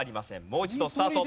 もう一度スタート。